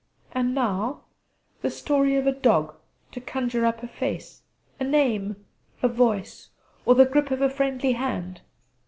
And now, the Story of a Dog to conjure up a face, a name, a voice, or the grip of a friendly hand!